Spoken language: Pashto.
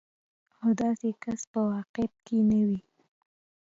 او داسې کس په واقعيت کې نه وي.